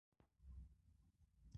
A mochila est